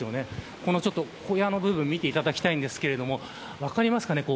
この小屋の部分見ていただきたいんですが分かりますかね。